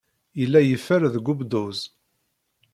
Yella yeffer deg ubduz.